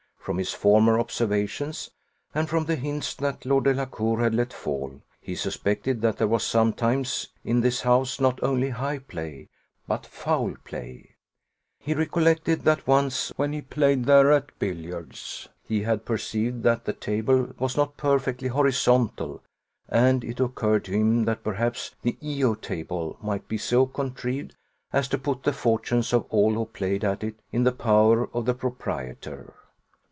From his former observations, and from the hints that Lord Delacour had let fall, he suspected that there was sometimes in this house not only high play, but foul play: he recollected that once, when he played there at billiards, he had perceived that the table was not perfectly horizontal; and it occurred to him, that perhaps the E O table might be so contrived as to put the fortunes of all who played at it in the power of the proprietor.